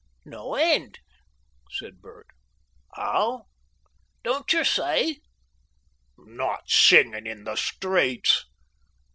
"No end," said Bert. "'Ow?" "Don't you see?" "Not singing in the streets?"